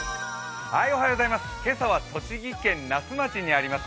今朝は栃木県那須町にあります